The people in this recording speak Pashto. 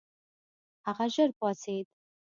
هغه ژر پاڅېد.